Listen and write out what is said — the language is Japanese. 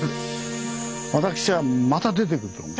私はまた出てくると思う。